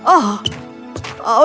ah oh ya ampun